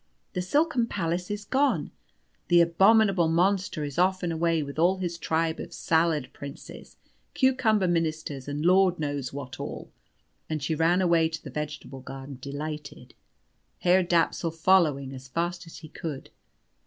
The silken palace is gone! The abominable monster is off and away with all his tribe of salad princes, cucumber ministers, and Lord knows what all!" And she ran away to the vegetable garden, delighted, Herr Dapsul following as fast as he could.